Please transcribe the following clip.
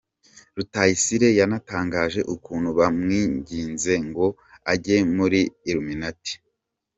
Rutayisire yanatangaje ukuntu bamwinginze ngo age muri Illuminati.